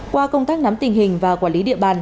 qua công tác nắm tình hình và quản lý địa bàn